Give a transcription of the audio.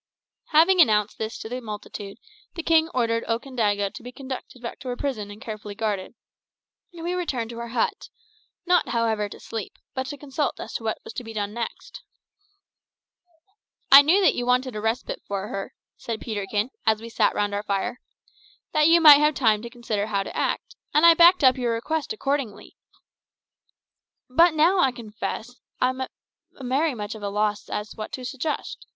Having announced this to the multitude, the king ordered Okandaga to be conducted back to her prison and carefully guarded; and we returned to our hut not, however, to sleep, but to consult as to what was to be done next. "I knew that you wanted a respite for her," said Peterkin, as we sat round our fire, "that you might have time to consider how to act, and I backed up your request accordingly, as you know. But now, I confess, I'm very much at a loss what to suggest.